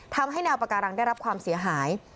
ทำให้แนวปาการังได้รับความเสียหาย